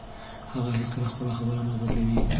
هغه هیڅکله خپله خبره نه بدلوي.